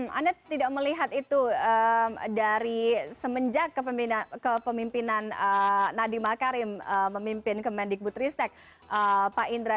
oke itu lho anda tidak melihat itu dari semenjak ke pemimpinan nadiem maqarim memimpin kemendikbutristek pak indra